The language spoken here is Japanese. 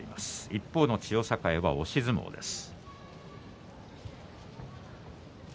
一方の千代栄は押し相撲です。